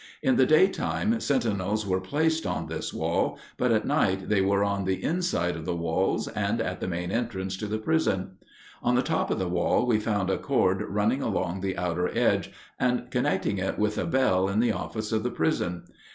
In the daytime sentinels were placed on this wall, but at night they were on the inside of the walls and at the main entrance to the prison. On the top of the wall we found a cord running along the outer edge and connecting with a bell in the office of the prison.